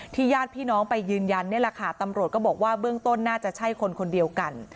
ญาติพี่น้องไปยืนยันนี่แหละค่ะตำรวจก็บอกว่าเบื้องต้นน่าจะใช่คนคนเดียวกัน